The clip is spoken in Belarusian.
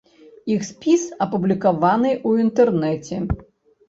Іх спіс апублікаваны ў інтэрнэце.